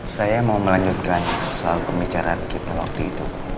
saya mau melanjutkan soal pembicaraan kita waktu itu